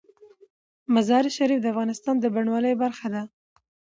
مزارشریف د افغانستان د بڼوالۍ برخه ده.